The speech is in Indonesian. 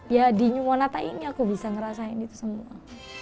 ya di new monata ini aku bisa ngerasain itu semua